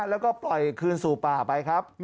แล้วก็ปล่อยคืนสู่ป่าไปครับ